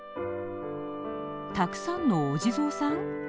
たくさんのお地蔵さん？